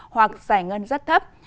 hoặc giải ngân rất thấp